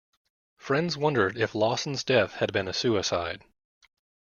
Friends wondered if Lawson's death had been a suicide.